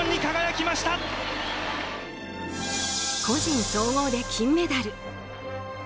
個人総合で金メダル。